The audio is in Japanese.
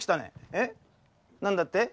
えっなんだって？